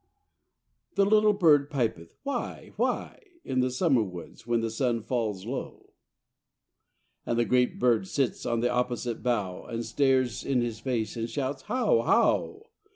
The little bird pipeth 'why! why!' In the summerwoods when the sun falls low, And the great bird sits on the opposite bough, And stares in his face and shouts 'how? how?'